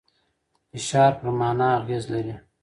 فشار پر مانا اغېز لري.